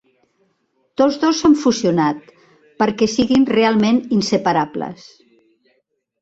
Tots dos s'han fusionat perquè siguin realment inseparables.